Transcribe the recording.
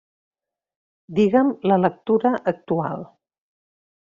Digue'm la lectura actual.